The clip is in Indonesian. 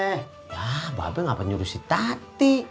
ya mbak abe ngapa nyuruh si tati